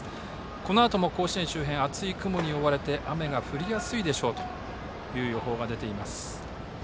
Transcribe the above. このあとも甲子園周辺は厚い雲に覆われて雨が降りやすいでしょうという予報が出ています。